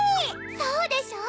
そうでしょ？